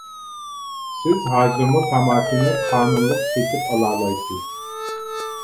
سىز ھازىرمۇ تاماكىنى قانۇنلۇق سېتىپ ئالالايسىز.